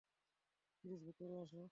Please ভিতরে আসো।